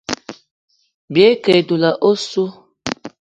Bìayî ke e dula ossu.